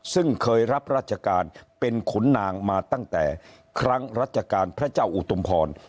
ซึ่งเคยรับราชการเป็นขุนนางมาตั้งแต่ครั้งรัชกาลพระเจ้าอุตุมพร